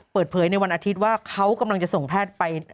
เปิดเผยในวันอาทิตย์ว่าเขากำลังจะส่งแพทย์ไป